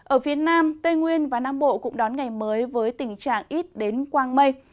ở phía nam tây nguyên và nam bộ cũng đón ngày mới với tình trạng ít đến quang mây